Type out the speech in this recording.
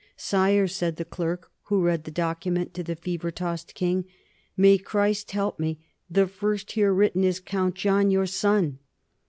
"Sire," said the clerk who read the document to the fever tossed king, "may Christ help me, the first here written is Count John, your son."